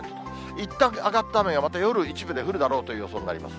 いったん上がった雨が、また夜一部で降るだろうという予想になります。